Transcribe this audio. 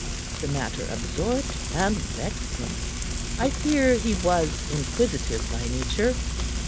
The matter absorbed and vexed him. I fear he was inquisitive by nature.